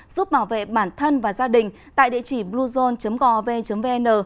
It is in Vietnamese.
giúp bảo vệ bản thân và gia đình tại địa chỉ bluezone gov vn